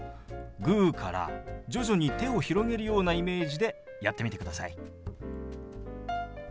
グーから徐々に手を広げるようなイメージでやってみてください。